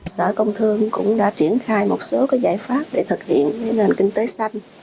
sở công thương cũng đã triển khai một số giải pháp để thực hiện nền kinh tế xanh